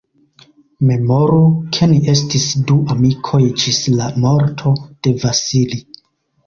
Memoru, ke ni estis du amikoj ĝis la morto de Vasili.